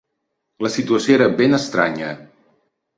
La situació era ben estranya